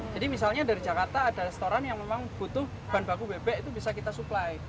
jadi misalnya dari jakarta ada restoran yang memang butuh ban baku bebek itu bisa kita supply